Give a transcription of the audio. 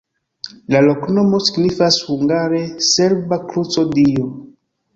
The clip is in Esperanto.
La loknomo signifas hungare: serba-kruco-Dio.